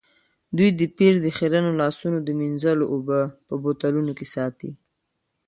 دوی د پیر د خیرنو لاسونو د مینځلو اوبه په بوتلونو کې ساتي.